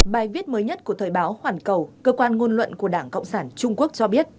bài viết mới nhất của thời báo hoàn cầu cơ quan ngôn luận của đảng cộng sản trung quốc cho biết